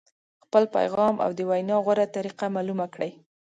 خپل پیغام او د وینا غوره طریقه معلومه کړئ.